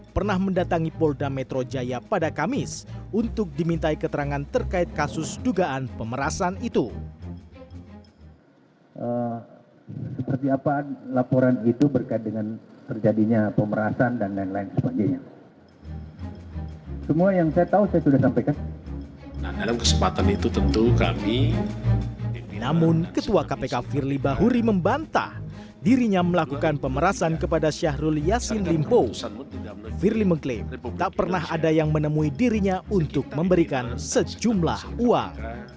firly mengklaim tak pernah ada yang menemui dirinya untuk memberikan sejumlah uang